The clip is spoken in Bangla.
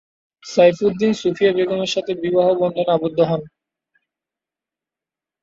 সাইফুদ্দিন সুফিয়া বেগম এর সাথে বিবাহ বন্ধনে আবদ্ধ হন।